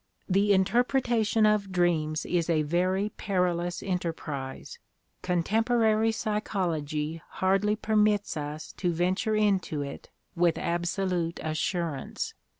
The interpretation of dreams is a very perilous enter prise: contemporary psychology hardly permits us to venture into it with absolute assurance.